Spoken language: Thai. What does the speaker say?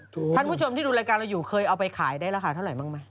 ท่านผู้ชมที่ดูรายการเราอยู่เคยเอาไปขายได้ราคาเท่าไหร่บ้างไหม